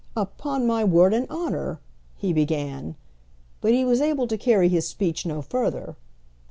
"Upon my word and honour," he began; but he was able to carry his speech no further.